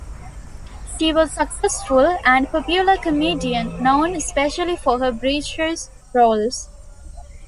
She was a successful and popular comedian, known especially for her breeches roles.